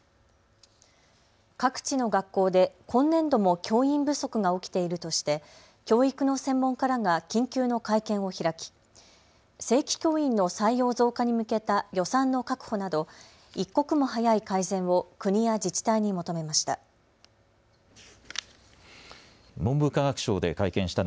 各地の学校で今年度も教員不足が起きているとして教育の専門家らが緊急の会見を開き、正規教員の採用増加に向けた予算の確保など一刻も早い改善を国や自治体に求めました。